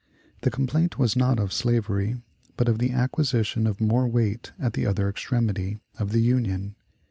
The complaint was not of slavery, but of "the acquisition of more weight at the other extremity" of the Union.